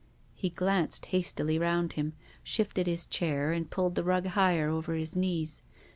He glanced hastily round him, .shifted his chai and pulled the rug higher over liis knees.